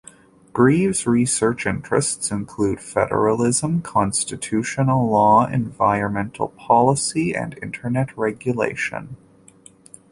Greve's research interests include federalism, constitutional law, environmental policy, and Internet regulation.